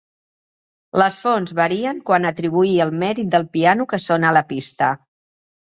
Les fonts varien quant a atribuir el mèrit del piano que sona a la pista